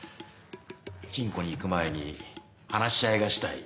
「金庫に行く前に話し合いがしたい」。